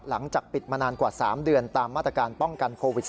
หลังจากปิดมานานกว่า๓เดือนตามมาตรการป้องกันโควิด๑๙